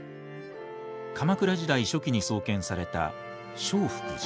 鎌倉時代初期に創建された聖福寺。